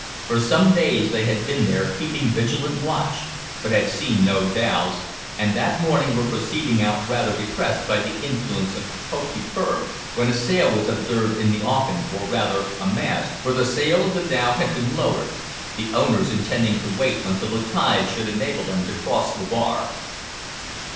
For some days they had been there keeping vigilant watch, but had seen no dhows, and that morning were proceeding out rather depressed by the influence of "hope deferred," when a sail was observed in the offing or, rather, a mast, for the sail of the dhow had been lowered the owners intending to wait until the tide should enable them to cross the bar.